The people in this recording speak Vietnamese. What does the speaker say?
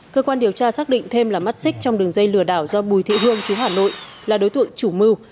cơ quan điều tra xác định thêm là mắt xích trong đường dây lừa đảo do bùi thị hương chú hà nội là đối tượng chủ mưu